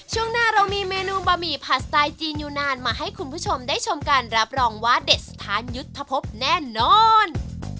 ช่วงหน้าเรามีเมนูบะหมี่ผัดสไตล์จีนอยู่นานมาให้คุณผู้ชมได้ชมกันรับรองว่าเด็ดสถานยุทธพบแน่นอน